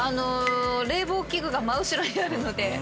冷房器具が真後ろにあるので。